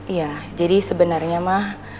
iya jadi sebenarnya ma